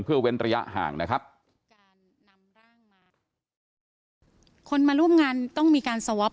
เพื่อเว้นระยะห่างนะครับ